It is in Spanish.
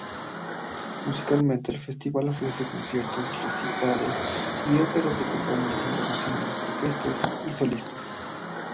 Musicalmente, el festival ofrece conciertos, recitales y óperas de compañías internacionales, orquestas y solistas.